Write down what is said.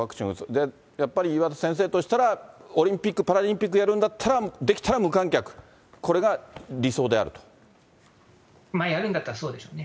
で、やっぱり岩田先生としたら、オリンピック・パラリンピックをやるんだったら、できたら無観客、やるんだったら、そうですね。